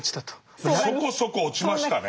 そこそこ落ちましたね。